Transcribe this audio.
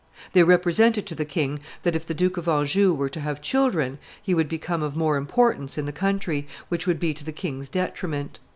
They represented to the king that if the Duke of Anjou were to have children, he would become of more importance in the country, which would be to the king's detriment.